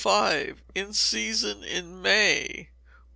In Season in May.